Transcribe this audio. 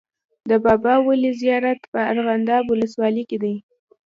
د بابا ولي زیارت په ارغنداب ولسوالۍ کي دی.